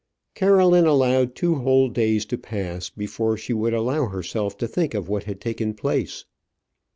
Caroline allowed two whole days to pass before she would allow herself to think of what had taken place.